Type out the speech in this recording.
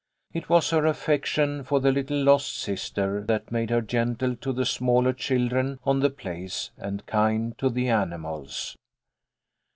It was her affection for the little lost sister that made her gentle to the smaller children on the place and kind to the animals.